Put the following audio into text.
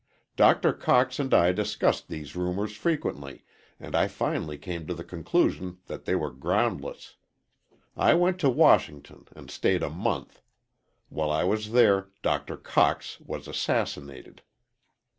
"Dr. Cox and I discussed these rumors frequently and I finally came to the conclusion that they were groundless. I went to Washington and stayed a month. While I was there Dr. Cox was assassinated.